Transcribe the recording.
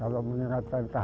kalau menikmati warga saya